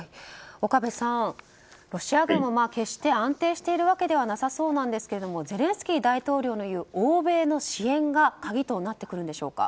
岡部さん、ロシア軍も決して安定しているわけではなさそうなんですけれどもゼレンスキー大統領の言う欧米の支援が鍵となってくるんでしょうか。